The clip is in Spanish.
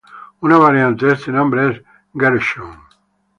Una variante de este nombre es "Gershon".